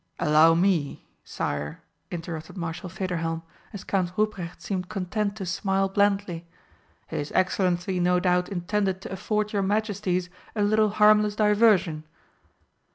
"Allow me, sire," interrupted Marshal Federhelm, as Count Ruprecht seemed content to smile blandly. "His Excellency no doubt intended to afford your Majesties a little harmless diversion."